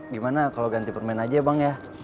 gimana kalau ganti permen aja bang ya